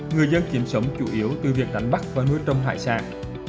người dân kiếm sống chủ yếu từ việc đánh bắt và nuôi trông hải sản